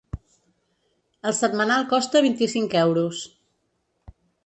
El setmanal costa vint-i-cinc euros.